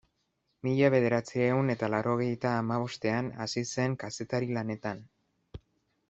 Mila bederatziehun eta laurogeita hamabostean hasi zen kazetari lanetan.